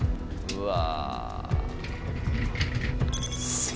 うわ！